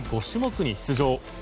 ５種目に出場。